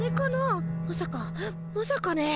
まさかまさかね。